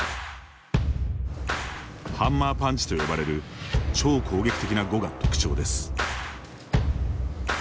ハンマーパンチと呼ばれる超攻撃的な碁が特徴です。